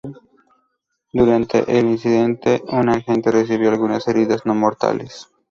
Durante el incidente un agente recibió algunas heridas no mortales.